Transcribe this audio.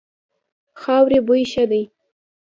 خاورې بوی ښه دی.